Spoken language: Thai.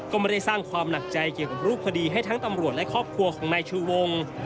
ก็ไม่ได้สร้างความหนักใจเกี่ยวกับรูปคดีให้ทั้งตำรวจและครอบครัวของนายชูวง